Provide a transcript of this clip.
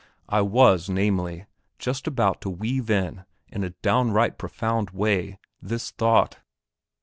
I was, namely, just about to weave in, in a downright profound way, this thought.